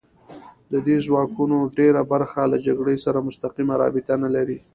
د دې ځواکونو ډېره برخه له جګړې سره مستقیمه رابطه نه لري